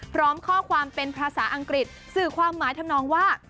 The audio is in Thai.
พร้อมข้อความเป็นภาษาอังกฤษสื่อความหมายทำนองว่า